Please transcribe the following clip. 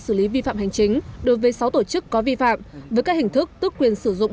xử lý vi phạm hành chính đối với sáu tổ chức có vi phạm với các hình thức tức quyền sử dụng